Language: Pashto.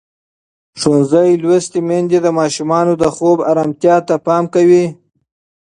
ښوونځې لوستې میندې د ماشومانو د خوب ارامتیا ته پام کوي.